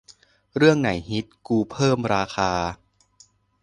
เรื่องไหนฮิตกูเพิ่มราคา